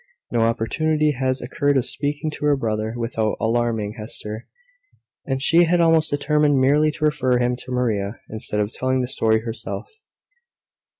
No opportunity had occurred of speaking to her brother without alarming Hester; and she had almost determined merely to refer him to Maria, instead of telling the story herself.